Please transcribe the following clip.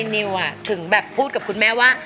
นิวถึงแบบพูดกับคุณแม่ว่า